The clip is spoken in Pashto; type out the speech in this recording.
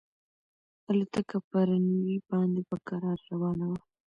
الوتکه په رن وې باندې په کراره روانه وه.